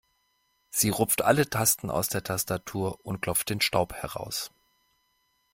Sie rupft alle Tasten aus der Tastatur und klopft den Staub heraus.